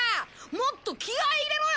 もっと気合い入れろよ